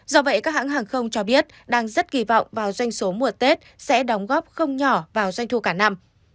do vậy các hãng hàng không cho biết đang rất kỳ vọng vào doanh số mùa tết sẽ đóng góp không nhỏ vào doanh thu cả năm